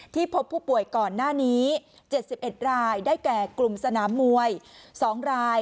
พบผู้ป่วยก่อนหน้านี้๗๑รายได้แก่กลุ่มสนามมวย๒ราย